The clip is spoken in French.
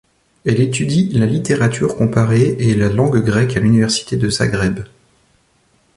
Elle étudie la littérature comparée et la langue grecque à l’université de Zagreb.